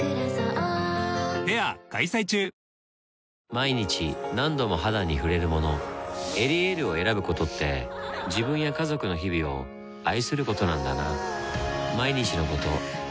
毎日何度も肌に触れるもの「エリエール」を選ぶことって自分や家族の日々を愛することなんだなぁ